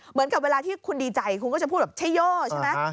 เหมือนกับเวลาที่คุณดีใจคุณก็จะพูดแบบใช่โย่ใช่ไหม